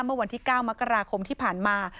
เมื่อวันที่๙มกราคมที่ผ่านมา